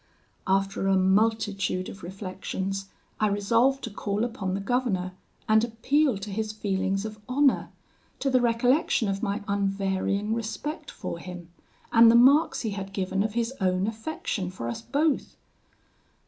"After a multitude of reflections, I resolved to call upon the governor, and appeal to his feelings of honour, to the recollection of my unvarying respect for him, and the marks he had given of his own affection for us both.